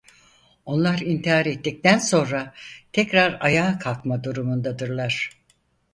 Onlar intihar ettikten sonra tekrar ayağa kalkma durumundadırlar.